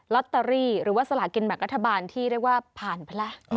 ลอตเตอรี่หรือว่าสลากินแบ่งรัฐบาลที่เรียกว่าผ่านไปแล้ว